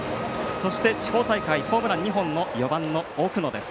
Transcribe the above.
そして、地方大会ホームラン４本の４番の奥野。